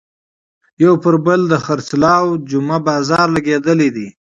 یو پر بل د خرڅلاو جمعه بازار لګېدلی دی.